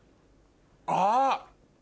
あっ！